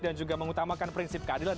dan juga mengutamakan prinsip keadilan